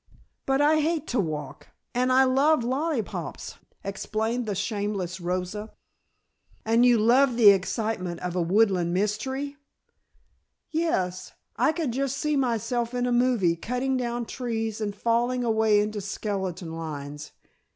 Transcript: "But I hate to walk and I love lollipops," explained the shameless Rosa. "And you loved the excitement of a woodland mystery?" "Yes; I could just see myself in a movie cutting down trees and falling away into skeleton lines.